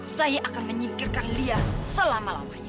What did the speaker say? saya akan menyingkirkan dia selama lamanya